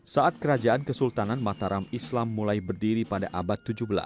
saat kerajaan kesultanan mataram islam mulai berdiri pada abad tujuh belas